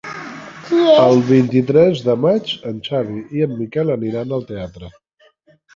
El vint-i-tres de maig en Xavi i en Miquel aniran al teatre.